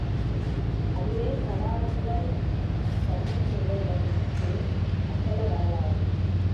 அதுவே சடாயுவைத் தகனம் செய்த இடம் என்று கூறும் அத்தல வரலாறு.